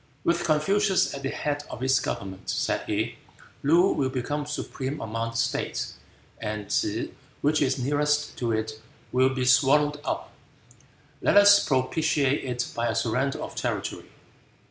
"With Confucius at the head of its government," said he, "Loo will become supreme among the states, and T'se, which is nearest to it, will be swallowed up. Let us propitiate it by a surrender of territory."